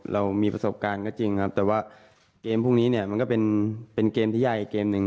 เรามีประสบการณ์ก็จริงครับแต่ว่าเกมพวกนี้เนี่ยมันก็เป็นเกมที่ใหญ่อีกเกมหนึ่ง